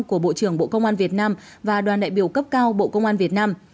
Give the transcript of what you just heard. của bộ trưởng bộ công an việt nam và đoàn đại biểu cấp cao bộ công an việt nam